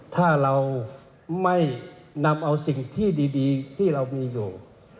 ถ้าเราไม่นำเอาสิ่งที่ดีที่เรามีอยู่